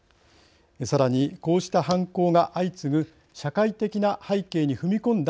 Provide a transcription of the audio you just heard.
さらに、こうした犯行が相次ぐ社会的な背景に踏み込んだ